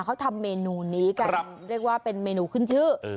เขาทำเมนูนี้กันเรียกว่าเป็นเมนูขึ้นชื่อ